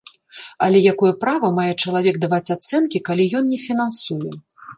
Але якое права мае чалавек даваць ацэнкі, калі ён не фінансуе?